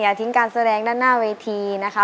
ทิ้งการแสดงด้านหน้าเวทีนะคะ